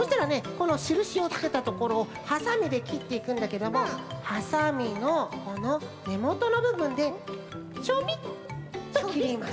このしるしをつけたところをハサミできっていくんだけどもハサミのこのねもとのぶぶんでちょびっときります。